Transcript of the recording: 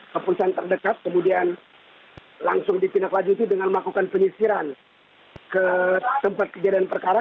kepolisian terdekat kemudian langsung ditindaklanjuti dengan melakukan penyisiran ke tempat kejadian perkara